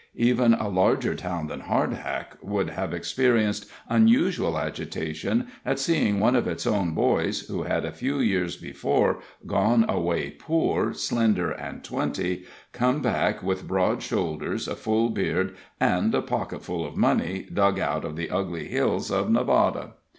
Even a larger town than Hardhack would have experienced unusual agitation at seeing one of its own boys, who had a few years before gone away poor, slender and twenty, come back with broad shoulders, a full beard, and a pocketful of money, dug out of the ugly hills of Nevada.